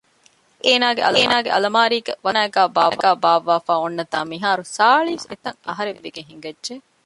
އެ ސިޓީ އޭނާގެ އަލަމާރީގެ ވަތުބަތާނައިގައި ބާއްވާފައި އޮންނަތާ މިހާރު ސާޅިސް އެތައް އަހަރެއް ވެގެން ހިނގައްޖެ